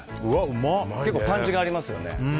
結構パンチがありますよね。